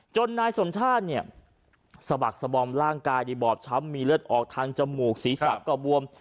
นายสมชาติเนี่ยสะบักสบอมร่างกายในบอบช้ำมีเลือดออกทางจมูกศีรษะก็บวม